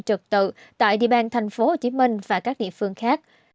trực tự tại địa bàn tp hcm và các địa phương khác